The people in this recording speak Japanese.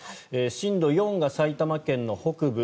震度４が埼玉県の北部